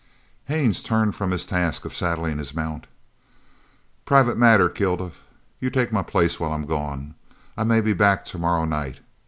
Haines turned from his task of saddling his mount. "Private matter. Kilduff, you take my place while I'm gone. I may be back tomorrow night.